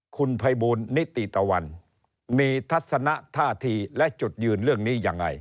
คุณภัยบูลนิติตะวันมีทัศนะท่าทีและจุดยืนเรื่องนี้ยังไง